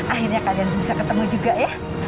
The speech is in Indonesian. akhirnya kalian bisa ketemu juga ya